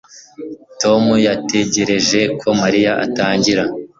Tom yategereje ko Mariya atangira